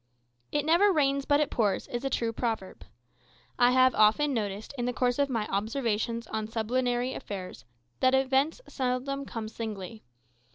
"It never rains but it pours," is a true proverb. I have often noticed, in the course of my observations on sublunary affairs, that events seldom come singly.